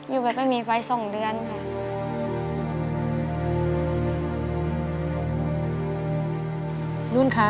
อยู่แบบไม่มีไฟ๒เดือนค่ะ